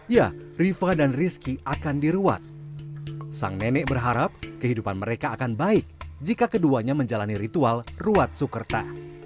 ya rifa dan rizky akan diruat sang nenek berharap kehidupan mereka akan baik jika keduanya menjalani ritual ruat sukerta